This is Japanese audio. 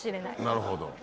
なるほど。